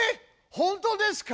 本当ですか？